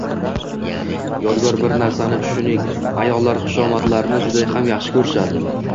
Yodgor bir narsani tushuning ayollar xushomadlarni juda xush ko’rishadi.